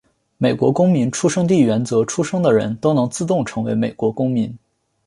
美国公民出生地原则出生的人都能自动成为美国公民。